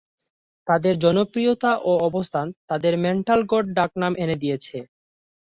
তাদের জনপ্রিয়তা ও অবস্থান তাদের মেটাল গড ডাক নাম এনে দিয়েছে।